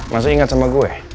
masih ingat sama gue